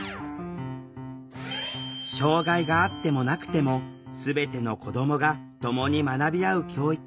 障害があってもなくても全ての子どもがともに学び合う教育。